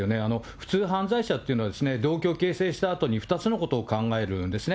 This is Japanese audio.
普通、犯罪者っていうのはですね、動機を形成したあとに２つのことを考えるんですね。